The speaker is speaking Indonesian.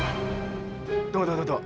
tunggu tunggu tunggu tunggu